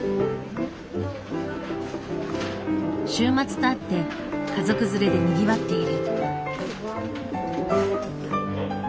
週末とあって家族連れでにぎわっている。